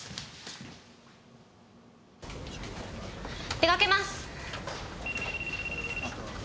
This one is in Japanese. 出かけます！